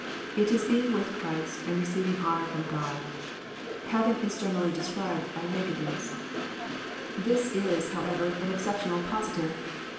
It is being with Christ, and receiving honour from God. Heaven is generally described by negatives. This JOHN, CHAP, Xn, 341 ts, bowever, an exceptional positive.